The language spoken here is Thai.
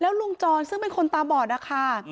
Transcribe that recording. ลุงจรซึ่งเป็นคนตาบอดนะคะ